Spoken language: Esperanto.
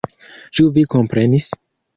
Ĉu vi komprenis?